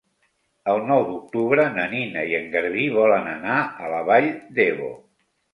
El nou d'octubre na Nina i en Garbí volen anar a la Vall d'Ebo.